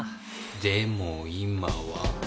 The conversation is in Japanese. でも今は。